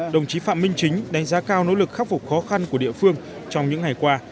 đồng chí phạm minh chính đánh giá cao nỗ lực khắc phục khó khăn của địa phương trong những ngày qua